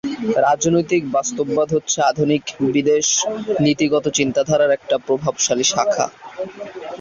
রাজনৈতিক বাস্তববাদ হচ্ছে আধুনিক বিদেশ নীতিগত চিন্তাধারার একটি প্রভাবশালী শাখা।